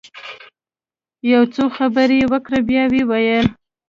يو څو خبرې يې وکړې بيا يې وويل.